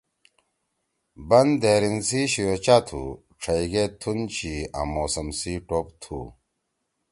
بن دھیریں سی شیوچا تُھو، ڇھئی گے تُھن چھی آں موسم سی ٹوپ تُھو!